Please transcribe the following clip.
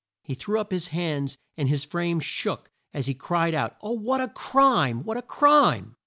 He threw up his hands, and his frame shook, as he cried out "O what a crime! what a crime!"